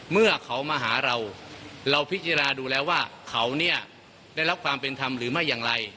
เมื่อเขามาหาเราเราพิจารณาดูแล้วว่าเขาเนี่ยได้รับความเป็นธรรมหรือไม่อย่างไร